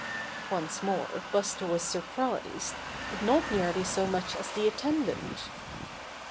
Once more Buster was surprised, but not nearly so much as the attendant.